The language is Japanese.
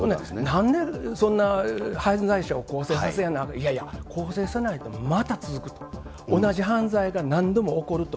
なんでそんな、犯罪者を更生させるなんて、いやいや、更生させないとまた続くと、同じ犯罪が何度も起こると。